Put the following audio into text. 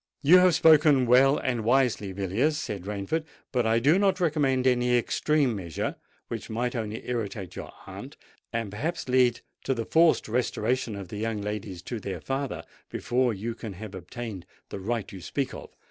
"You have spoken well and wisely, Villiers," said Rainford; "but I do not recommend any extreme measure, which might only irritate your aunt, and perhaps lead to the forced restoration of the young ladies to their father before you can have obtained the right you speak of.